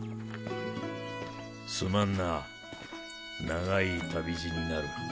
すまんな長い旅路になる。